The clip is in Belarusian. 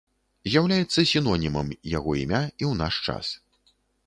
З'яўляецца сінонімам яго імя і ў наш час.